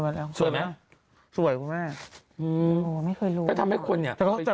ไม่ใช่ไม่ใช่